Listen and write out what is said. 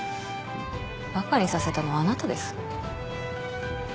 バカにさせたのはあなたです。